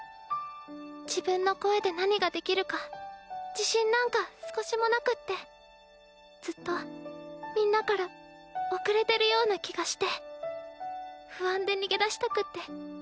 自分の声で何ができるか自信なんか少しもなくってずっとみんなから遅れてるような気がして不安で逃げ出したくって。